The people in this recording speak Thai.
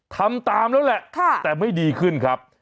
ทำตามแล้วแหละแต่ไม่ดีขึ้นครับ